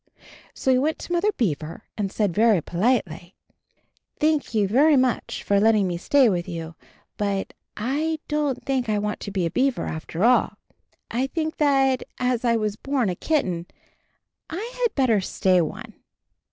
So he went to Mother Beaver and said very politely, "Thank you very much for letting me stay with you — but I don't think I want to be a beaver, after all. I think that, as I was born a kitten, I had better stay one."